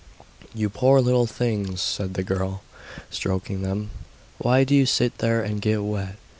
'You poor little things,' said the girl, stroking them. 'Why do you sit there and get wet?